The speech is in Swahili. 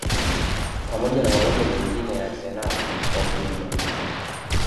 Pamoja na magonjwa mengine ya zinaa kwa ujumla